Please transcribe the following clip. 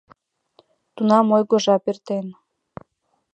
Тунам ойго жап эртен.